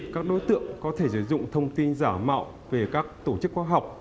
các đối tượng có thể sử dụng thông tin giả mạo về các tổ chức khoa học